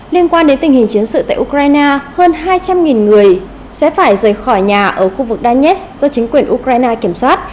liên quan đến tình hình chiến sự tại ukraine hơn hai trăm linh người sẽ phải rời khỏi nhà ở khu vực danets do chính quyền ukraine kiểm soát